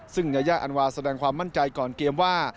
ซึ่งยายาอันวาแสดงความมั่นใจก่อนเกมว่า